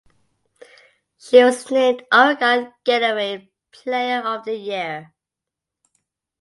She was named Oregon Gatorade Player of the Year.